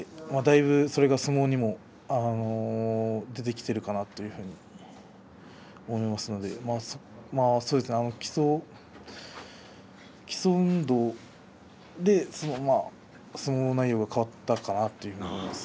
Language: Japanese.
だいぶそれが相撲にも出てきているかなと思いますので基礎運動で相撲内容が変わったかなと思います。